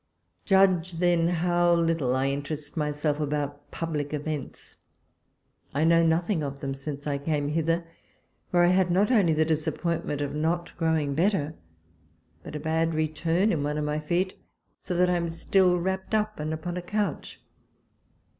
Judge, then, how little I interest myself about public events. I know nothing of them since I came hither, where I had not only the disappointment of not grow ing better, but a bad return in one of my feet, so that I am still wrapped up and upon a couch.